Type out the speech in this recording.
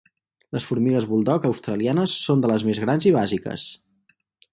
Les formigues buldog australianes són de les més grans i bàsiques.